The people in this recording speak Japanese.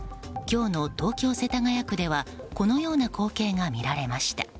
今日の東京・世田谷区ではこのような光景が見られました。